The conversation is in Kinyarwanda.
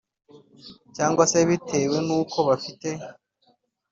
cyangwa se bitewe nu ko bafite